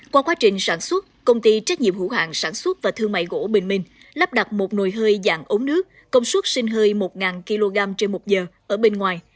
qua quá trình sản xuất công ty trách nhiệm hữu hạng sản xuất và thương mại gỗ bình minh lắp đặt một nồi hơi dạng ống nước công suất sinh hơi một kg trên một giờ ở bên ngoài